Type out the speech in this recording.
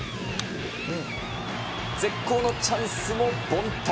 絶好のチャンスも凡退。